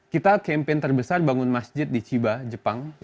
kita campaign terbesar bangun masjid di chiba jepang